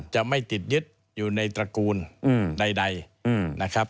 จะไม่ติดยึดอยู่ในตระกูลใดนะครับ